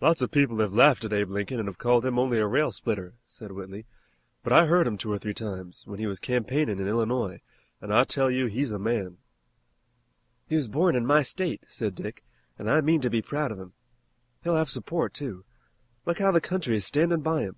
"Lots of people have laughed at Abe Lincoln an' have called him only a rail splitter," said Whitley, "but I heard him two or three times, when he was campaignin' in Illinois, an' I tell you he's a man." "He was born in my state," said Dick, "and I mean to be proud of him. He'll have support, too. Look how the country is standing by him!"